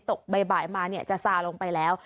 ตกใบ่มาจะสาลงไปแล้ว